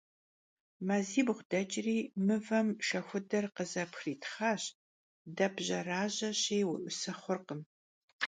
Mazibğu deç'ri, mıvem şşexuder khızepxitxhaş, dep jerajeşi, vuê'use xhurkhım.